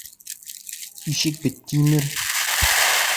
Ишек бит тимер!